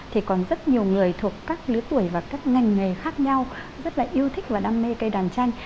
thì còn rất nhiều người thuộc các lứa tuổi và các ngành nghề khác nhau rất là yêu thích và đam mê cây đàn tranh